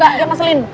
gak gak mau selin